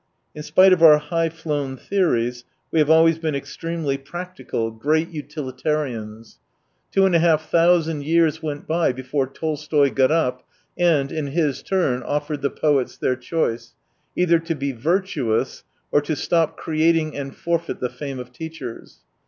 In spite of our high flown theories we have always been extremely practical, great 104 utilitarians. Twc and a half thousand years went by before Tolstoy got up, and, in his turn, offered the poets their choice : either to be virtuous, or to stop creating and forfeit the fame of teachers.